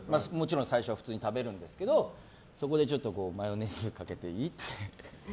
最初は普通に食べるんですけどマヨネーズをかけていい？って。